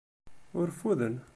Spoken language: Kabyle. Ur ffuden.